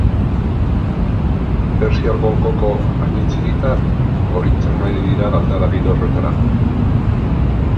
Pertsiar Golkoko anitz hiritan ohitzen ari dira galdara giro horretara.